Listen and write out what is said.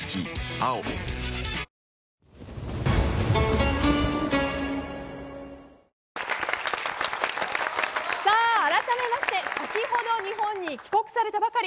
「碧Ａｏ」あらためまして先ほど日本に帰国されたばかり。